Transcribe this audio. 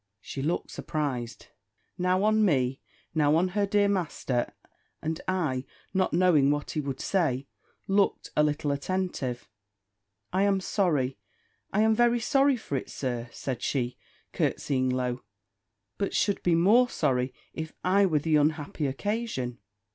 She looked surprised now on me, now on her dear master; and I, not knowing what he would say, looked a little attentive. "I am sorry I am very sorry for it, Sir," said she, curtseying low: "but should be more sorry, if I were the unhappy occasion."